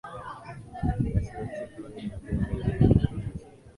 ya sloths ya kawaida ya Bonde la Mto Amazon